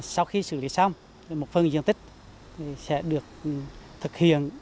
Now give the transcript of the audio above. sau khi xử lý xong một phần diện tích sẽ được thực hiện